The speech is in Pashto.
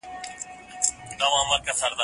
زه به سبا سیر وکړم؟